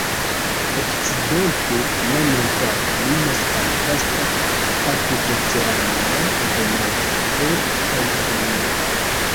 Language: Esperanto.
Okcidente la montaro limas al vasta apudoceana ebenaĵo de Kalifornio.